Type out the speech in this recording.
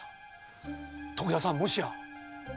徳田さんもしや！